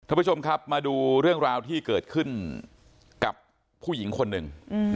ท่านผู้ชมครับมาดูเรื่องราวที่เกิดขึ้นกับผู้หญิงคนหนึ่ง